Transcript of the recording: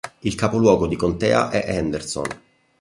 Il capoluogo di contea è Henderson.